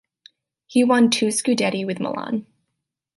He won two Scudetti with Milan.